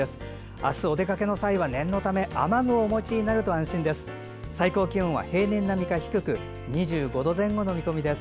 明日お出かけの際は念のため雨具をお持ちになると安心です。